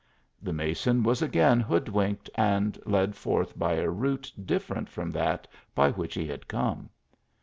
The mason was again hoodwinked and led forth by a route different from that by which he had come.